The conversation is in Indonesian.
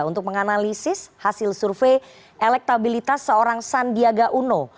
untuk menganalisis hasil survei elektabilitas seorang sandiaga uno